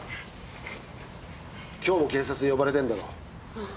今日も警察に呼ばれてんだろ。